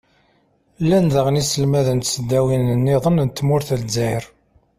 llan daɣen yiselmaden n tesdawin-nniḍen n tmurt n lezzayer.